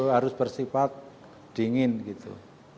harus bersifat dingin gitu